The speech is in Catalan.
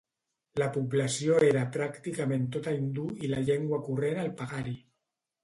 La població era pràcticament tota hindú i la llengua corrent el pahari.